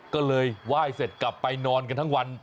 ก็เลยไหว้เสร็จกลับไปนอนกันทั้งวัน